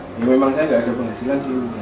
ya memang saya gak ada penghasilan sih